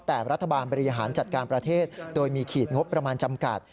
แต่รัฐบาลบริหารจัดการประเทศโดยมีขีดงบประมาณจำกัด